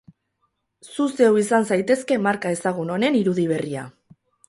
Zu zeu izan zaitezke marka ezagun honen irudi berria.